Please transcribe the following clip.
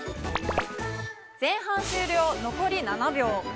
前半終了残り７秒。